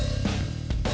eh mbak be